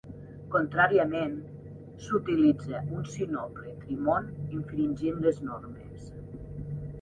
Contràriament, s"utilitza un sinople trimont infringint les normes.